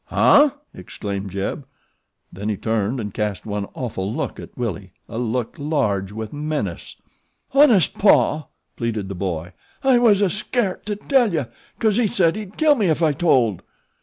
"Huh?" exclaimed Jeb. Then he turned and cast one awful look at Willie a look large with menace. "Honest, Paw," pleaded the boy. "I was a scairt to tell you, 'cause he said he'd kill me ef I told."